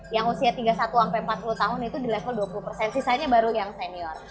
yang usia tiga puluh satu sampai empat puluh tahun itu di level dua puluh persen sisanya baru yang senior